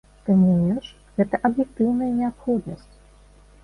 Тым не менш, гэта аб'ектыўная неабходнасць.